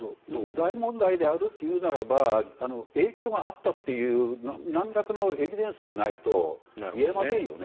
大問題だというならば影響があったというなんらかのエビデンスがないと言えませんよね。